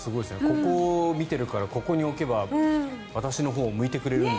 ここを見ているからここに置けば私のほうを向いてくれると。